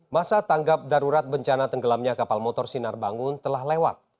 masa tanggap darurat bencana tenggelamnya kapal motor sinar bangun telah lewat